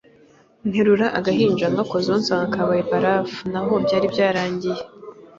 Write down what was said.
nterura agahinja ngakozeho nsanga kabaye barafu naho byari byarangiye